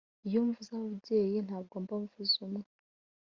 Iyo mvuze ababyeyi ntabwo mba mvuze umwe